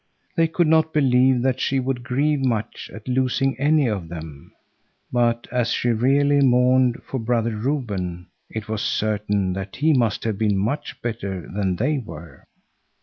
They could not believe that she would grieve much at losing any of them. But as she really mourned for Brother Reuben, it was certain that he must have been much better than they were.